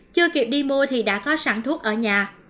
chưa kịp đi mua thì đã có sản thuốc ở nhà